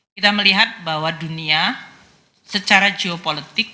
kita melihat bahwa dunia secara geopolitik